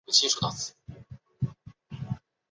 科尔翁是瑞士联邦西部法语区的沃州下设的一个镇。